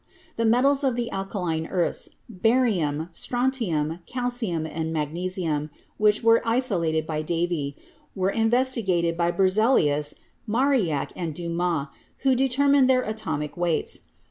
The metals of the alkaline earths — barium, strontium, calcium and magnesium, which were isolated by Davy — were investigated by Berzelius, Marignac and Dumas, who determined their atomic weights.